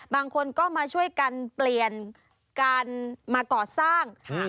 บางคนก็มาช่วยกันเปลี่ยนการมาก่อสร้าง